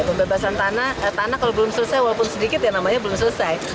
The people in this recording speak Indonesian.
pembebasan tanah kalau belum selesai walaupun sedikit ya namanya belum selesai